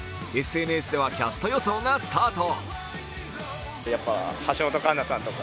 ＳＮＳではキャスト予想がスタート。